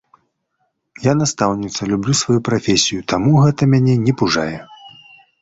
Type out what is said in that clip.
Я настаўніца, люблю сваю прафесію, таму гэта мяне не пужае.